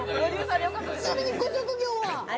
ちなみにご職業は？